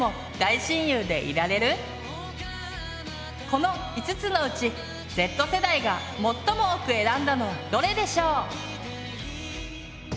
この５つのうちＺ世代が最も多く選んだのはどれでしょう？